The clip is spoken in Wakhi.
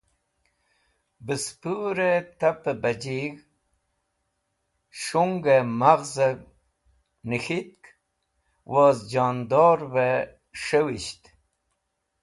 Bẽspũrẽ tapẽ bajig̃h, shungẽ maghzẽv nẽk̃hitk woz jondorve s̃hewisht.